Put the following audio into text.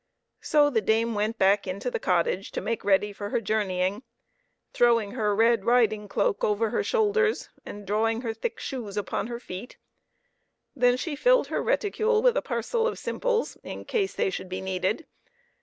So the dame went back into the cottage to make ready for her journeying, throwing her red riding cloak over her 34 PEPPER AND SALT. shoulders, and drawing her thick shoes upon her feet. Then she filled her reticule with a parcel of simples, in case they should be needed.